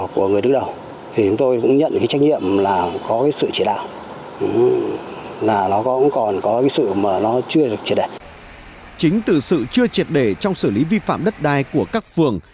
chính từ sự chưa triệt đề trong xử lý vi phạm đất đai của các phường